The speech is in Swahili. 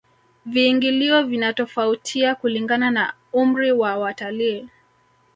viingilio vinatofautia kulingana na umri wa watalii